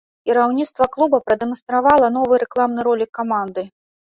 Кіраўніцтва клуба прадэманстравала новы рэкламны ролік каманды.